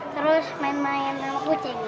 terus main main sama kucing